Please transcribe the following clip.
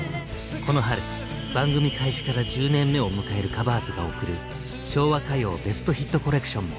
この春番組開始から１０年目を迎える「カバーズ」が贈る「昭和歌謡ベストヒットコレクション」も！